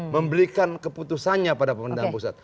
memberikan keputusannya pada pemerintahan pusat